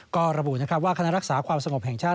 ก็ระบุว่าคณะรักษาความสงบแห่งชาติ